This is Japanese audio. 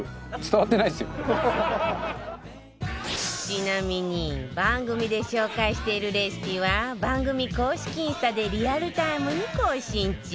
ちなみに番組で紹介しているレシピは番組公式インスタでリアルタイムに更新中